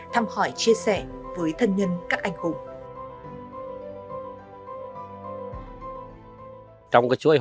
thăm hỏi chia sẻ với thân nhân các anh hùng